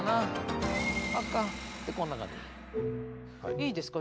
いいですか？